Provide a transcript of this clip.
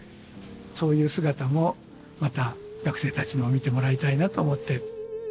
そういう姿もまた学生たちにも見てもらいたいなと思って。